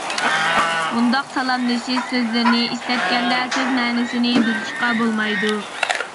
مۇنداق سالاملىشىش سۆزلىرىنى ئىشلەتكەندە سۆز مەنىسىنى بۇزۇشقا بولمايدۇ.